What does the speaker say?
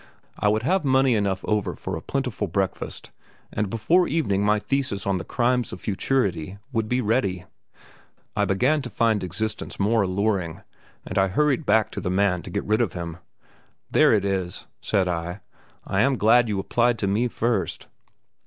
I would have money enough over for a plentiful breakfast, and before evening my thesis on the "Crimes of Futurity" would be ready. I began to find existence more alluring; and I hurried back to the man to get rid of him. "There it is," said I. "I am glad you applied to me first."